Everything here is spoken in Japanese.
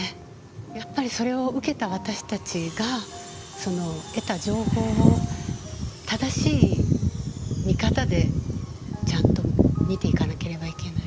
やっぱりそれを受けた私たちがその得た情報を正しい見方でちゃんと見ていかなければいけない。